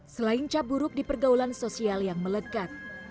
selain caburuk di pergaulan sosial yang melekat